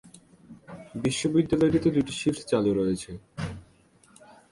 বিদ্যালয়টিতে দুটি শিফট চালু রয়েছে।